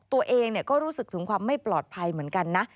ตัวเองก็รู้สึกถึงความไม่ปลอดภัยเหมือนกันนะ